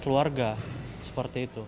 keluarga seperti itu